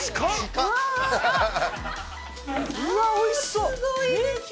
うわっ、おいしそう！